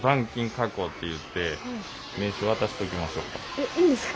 えっいいんですか。